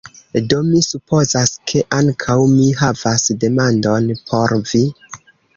Do, mi supozas, ke ankaŭ mi havas demandon por vi!